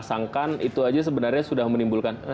pasangkan itu aja sebenarnya sudah menimbulkan